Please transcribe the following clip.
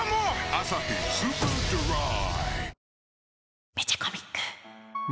「アサヒスーパードライ」